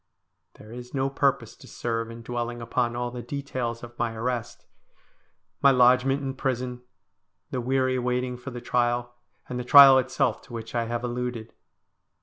There is no purpose to serve in dwelling upon all the details of my arrest ; my lodgment in prison ; the weary waiting for the trial ; and the trial itself to which I have alluded.